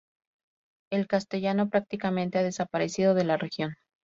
El castellano prácticamente ha desaparecido de la región.